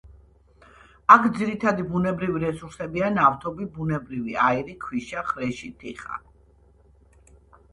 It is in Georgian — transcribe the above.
აქ ძირითადი ბუნებრივი რესურსებია: ნავთობი, ბუნებრივი აირი, ქვიშა, ხრეში, თიხა.